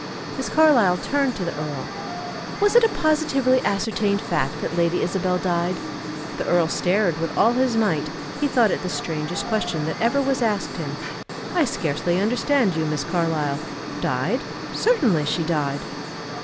Miss Carlyle turned to the earl. "Was it a positively ascertained fact that Lady Isabel died?" The earl stared with all his might; he thought it the strangest question that ever was asked him. "I scarcely understand you, Miss Carlyle. Died? Certainly she died."